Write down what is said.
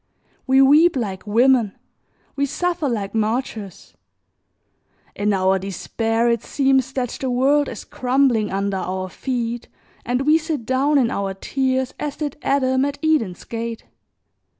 We weep like women, we suffer like martyrs; in our despair it seems that the world is crumbling under our feet and we sit down in our tears as did Adam at Eden's gate.